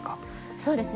そうですね。